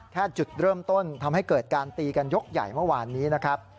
จุดเริ่มต้นทำให้เกิดการตีกันยกใหญ่เมื่อวานนี้นะครับ